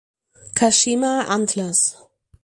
Kashima Antlers